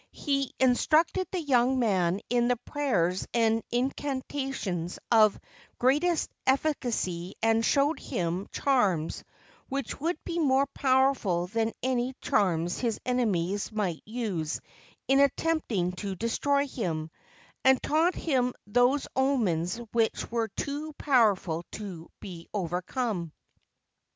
He in¬ structed the young man in the prayers and in¬ cantations of greatest efficacy and showed him charms which would be more powerful than any charms his enemies might use in attempting to destroy him, and taught him those omens which were too powerful to be overcome.